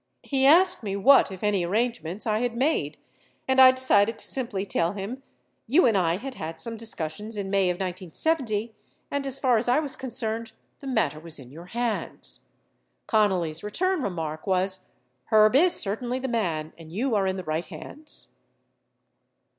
He asked me what, if any, arrangements I had made and I decided to simply fell him you and I had had some discussions in May of 1970 and as far as I was concerned, the matter was in your hands. Connally's return remark was, "Herb is certainly the man, and you are in the right hands."